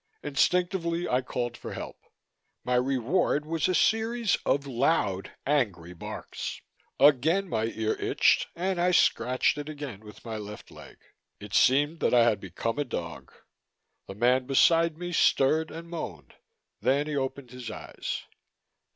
Instinctively, I called for help. My reward was a series of loud, angry barks. Again my ear itched and I scratched it again with my left leg. It seemed that I had become a dog. The man beside me stirred and moaned. Then he opened his eyes.